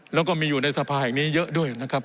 แล้วก็มีอยู่ในสภาแห่งนี้เยอะด้วยนะครับ